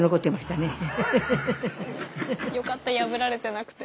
よかった破られてなくて。